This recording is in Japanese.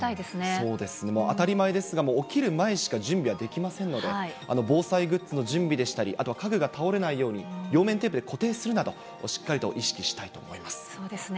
そうです、もう当たり前ですが、もう起きる前しか準備はできませんので、防災グッズの準備でしたり、あと家具が倒れないように両面テープで固定するなど、しっかりとそうですね。